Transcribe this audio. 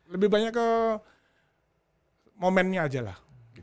lebih banyak ke momennya aja lah